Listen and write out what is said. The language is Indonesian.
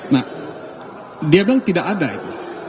nah dia bilang tidak ada itu